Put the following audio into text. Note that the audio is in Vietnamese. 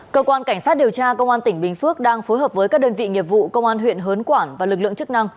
cơ quan cảnh sát điều tra công an tỉnh bình phước đang phối hợp với các đơn vị nghiệp vụ công an huyện hớn quản và lực lượng chức năng